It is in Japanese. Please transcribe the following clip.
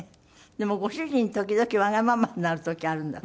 でもご主人時々わがままになる時あるんだって？